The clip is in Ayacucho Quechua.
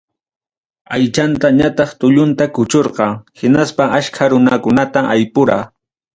Aychanta ñataq tullunta kuchurqa, hinaspa achka runakunata aypura.